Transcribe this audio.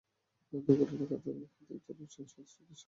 দুর্ঘটনার কারণ খতিয়ে দেখতে চার সদস্যের তদন্ত কমিটি গঠন করা হয়েছে।